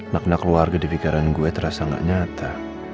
makna keluarga di pikiran gue terasa gak nyata